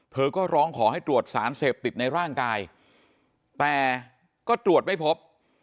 ก็ร้องขอให้ตรวจสารเสพติดในร่างกายแต่ก็ตรวจไม่พบ